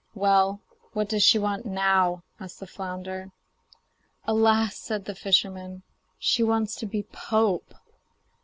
'Well, what does she want now?' asked the flounder. 'Alas!' said the fisherman, 'she wants to be pope.